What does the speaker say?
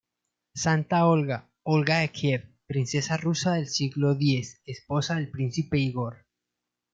Santa Olga, Olga de Kiev, princesa rusa del siglo X, esposa del Príncipe Igor.